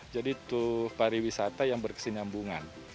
jadi itu pariwisata yang berkesinambungan